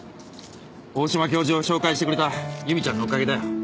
大島教授を紹介してくれた由美ちゃんのおかげだよ。